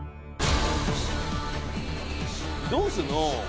どうするの？